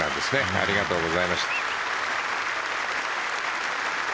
ありがとうございますと。